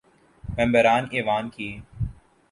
ممبران ایوان کی